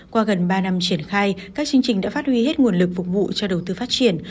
qua gần ba năm triển khai các chương trình đã phát huy hết nguồn lực phục vụ cho đầu tư phát triển